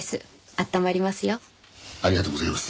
ありがとうございます。